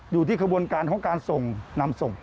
อยู่ที่กระบวนการของการนำส่ง